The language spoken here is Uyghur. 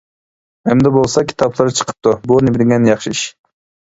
ئەمدى بولسا كىتابلىرى چىقىپتۇ بۇ نېمە دېگەن ياخشى ئىش.